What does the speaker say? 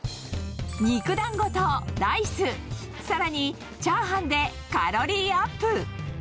肉だんごとライス、さらにチャーハンでカロリーアップ。